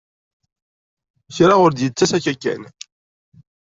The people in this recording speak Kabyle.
Kra ur d-yettas akka kan.